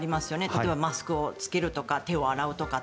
例えばマスクを着けるとか手を洗うとか。